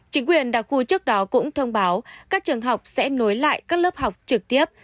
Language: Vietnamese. chính quyền đặc khu trước đó cũng thông báo các trường học sẽ nối lại các lớp học trực tiếp